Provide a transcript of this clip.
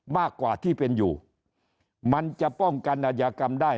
มากกว่าที่เป็นอยู่มันจะป้องกันอาชญากรรมได้